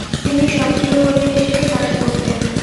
তিনি সক্রিয় কর্মী হিসেবে কাজ করতেন।